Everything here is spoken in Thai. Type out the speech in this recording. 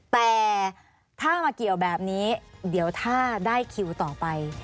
แต่ถ้ามาเกี่ยวแบบนี้เดี๋ยวถ้าได้คิวต่อไป